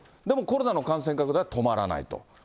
でもコロナの感染拡大は止まらないと。